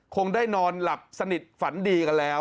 คงได้นอนหลับสนิทฝันดีกันแล้ว